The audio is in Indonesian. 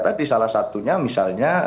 tadi salah satunya misalnya